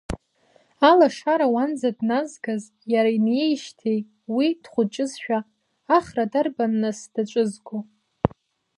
Алашара уанӡа дназгаз иара иниеижьеит уи дхәыҷызшәа, Ахра дарбан нас даҿызго?!